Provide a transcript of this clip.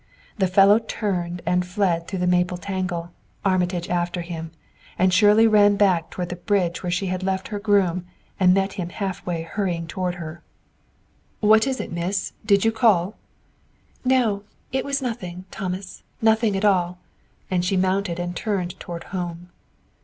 The fellow turned and fled through the maple tangle, Armitage after him, and Shirley ran back toward the bridge where she had left her groom and met him half way hurrying toward her. "What is it, Miss? Did you call?" "No; it was nothing, Thomas nothing at all," and she mounted and turned toward home.